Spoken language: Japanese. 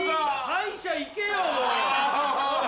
歯医者行けよもう。